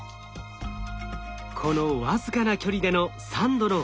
この僅かな距離での３℃の温度差。